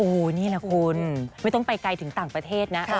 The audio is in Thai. โอ้โหนี่แหละคุณไม่ต้องไปไกลถึงต่างประเทศนะ